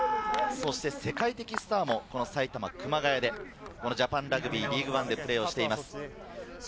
そして世界的スターもこの埼玉・熊谷で、ジャパンラグビーリーグワンでプレーしています。